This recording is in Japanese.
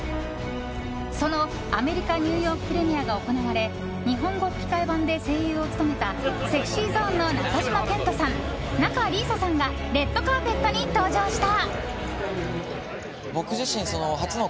そのアメリカ・ニューヨークプレミアが行われ日本語吹き替え版で声優を務めたＳｅｘｙＺｏｎｅの中島健人さん、仲里依紗さんがレッドカーペットに登場した。